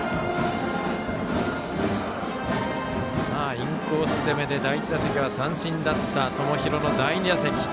インコース攻めで第１打席は三振だった友廣の第２打席。